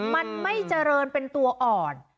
มันไม่เจริญเป็นตัวอ่อน